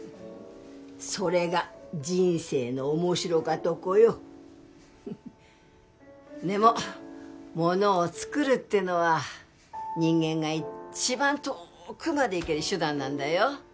それが人生の面白かとこよでもものをつくるってのは人間がいっちばん遠ーくまで行ける手段なんだよ